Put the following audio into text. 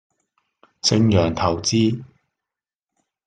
盛洋投資